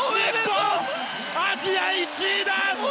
アジア１位だ！